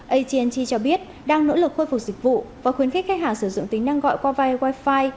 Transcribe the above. at cho biết đang nỗ lực khôi phục dịch vụ và khuyến khích khách hàng sử dụng tính năng gọi qua vai wifi